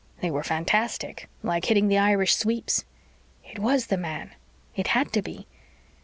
They were fantastic. Like hitting the Irish sweeps. It was the man. It had to be.